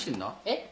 えっ？